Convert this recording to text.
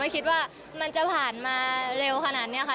คิดว่ามันจะผ่านมาเร็วขนาดนี้ค่ะ